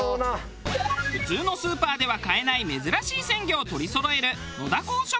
普通のスーパーでは買えない珍しい鮮魚を取りそろえる。